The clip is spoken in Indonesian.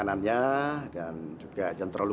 saya pergi dulu